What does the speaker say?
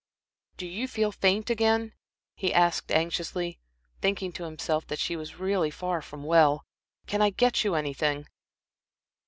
"Do you feel faint again?" he asked, anxiously, thinking to himself that she was really far from well. "Can I get you anything?"